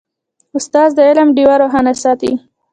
استاد د علم ډیوه روښانه ساتي.